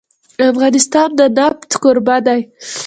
افغانستان د نفت کوربه دی.